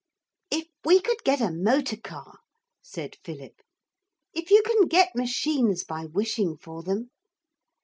'If we could get a motor car!' said Philip. 'If you can get machines by wishing for them.